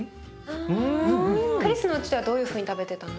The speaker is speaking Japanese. クリスのうちではどういうふうに食べてたの？